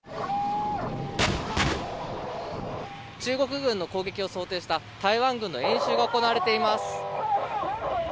中国軍の攻撃を想定した台湾軍の演習が行われています。